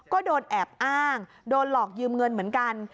ก็โดนแอบอ้างโดนหลอกยืมเงินเหมือนกัน